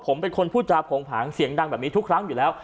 ผมเป็นคนพูดจาโผงผางเสียงดังแบบนี้ทุกครั้งอยู่แล้ว